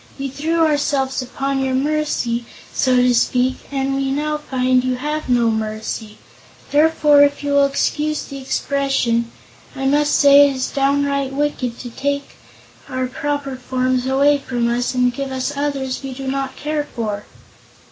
We threw ourselves upon your mercy, so to speak, and we now find you have no mercy. Therefore, if you will excuse the expression, I must say it is downright wicked to take our proper forms away from us and give us others that we do not care for."